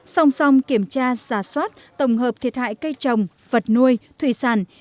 xong xong kiểm tra giả soát tổng hợp thiệt hại cây trồng vật nuôi thủy sản